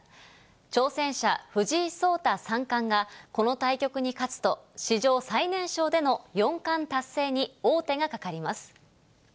挑戦者、藤井聡太三冠が、この対局に勝つと、史上最年少での四冠達成に王手がかかります。